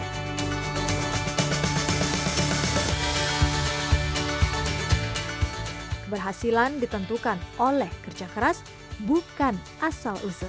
keberhasilan ditentukan oleh kerja keras bukan asal usul